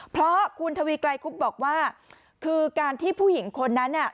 เพราะคุณทวีไกลคุบบอกว่าคือการที่ผู้หญิงคนนั้นน่ะ